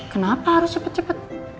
kenapa harus cepet cepet